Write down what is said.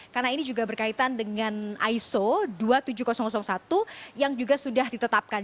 karena ini juga berkaitan dengan iso dua puluh tujuh ribu satu yang juga sudah ditetapkan